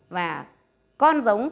và con giống